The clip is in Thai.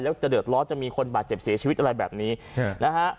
แล้วจะเดือดร้อนจะมีคนบาดเจ็บเสียชีวิตอะไรแบบนี้นะฮะ